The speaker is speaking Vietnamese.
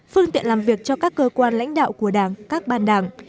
phương tiện làm việc cho các cơ quan lãnh đạo của đảng các ban đảng